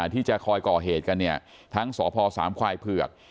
ที่จะคอยก่อเหตุกันเนี่ยทั้งสพสามควายเผือก